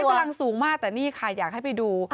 กำลังสูงมากแต่นี่ค่ะอยากให้ไปดู